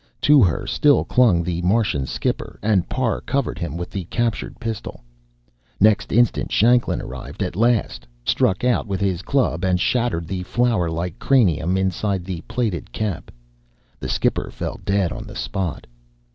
To her still clung the Martian skipper, and Parr covered him with the captured pistol. Next instant Shanklin, arriving at last, struck out with his club and shattered the flowerlike cranium inside the plated cap. The skipper fell dead on the spot.